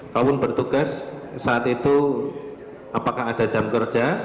kau pun bertugas saat itu apakah ada jam kerja